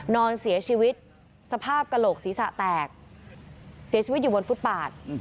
นอนเสียชีวิตสภาพกระโหลกศีรษะแตกเสียชีวิตอยู่บนฟุตปาด